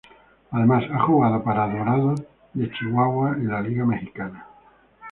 Además ha jugado para Dorados de Chihuahua en la Liga Mexicana.